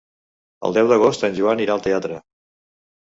El deu d'agost en Joan irà al teatre.